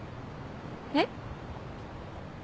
えっ？